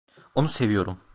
Onu seviyorum.